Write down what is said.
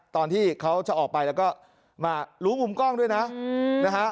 ตอนที่เขาจะออกไปแล้วก็มารู้มุมกล้องด้วยนะนะฮะ